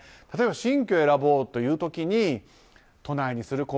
例えば新居を選ぼうという時に都内にする？